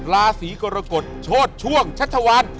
ราศีกรกฎโชดช่วงชัชวาน